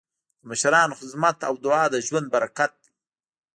د مشرانو خدمت او دعا د ژوند برکت دی.